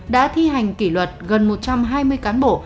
đã thi hành kỷ luật gần một trăm hai mươi cán bộ